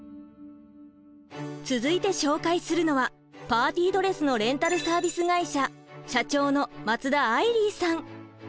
続いて紹介するのはパーティードレスのレンタル・サービス会社社長の松田愛里さん。